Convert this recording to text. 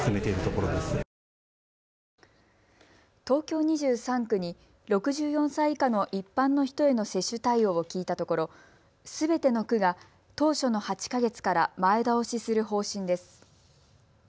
東京２３区に６４歳以下の一般の人への接種対応を聞いたところすべての区が当初の８か月から前倒しする方針です。